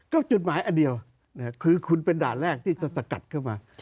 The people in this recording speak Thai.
ก็จุดหมายอันเดียวคือคุณเป็นด่านแรกที่จะสกัดเข้ามา